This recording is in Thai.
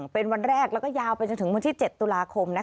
เป็นวันแรกแล้วก็ยาวไปจนถึงวันที่๗ตุลาคม